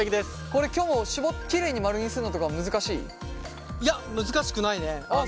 これきょもきれいに丸にするのとか難しい？いや難しくないね。